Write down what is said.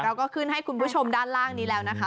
เราก็ขึ้นให้คุณผู้ชมด้านล่างนี้แล้วนะคะ